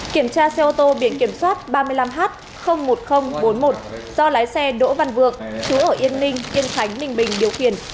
kiểm tra xe ô tô biển kiểm soát ba mươi năm h một nghìn bốn mươi một do lái xe đỗ văn vược chứa ở yên ninh yên khánh bình bình điều khiển